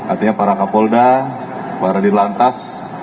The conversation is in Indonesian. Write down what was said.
artinya para kapolda para dirlantas